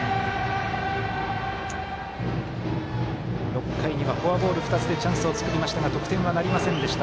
６回にはフォアボール２つでチャンスを作りましたが得点なりませんでした。